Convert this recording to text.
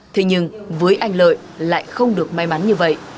thế nhưng với anh lợi lại không được may mắn như vậy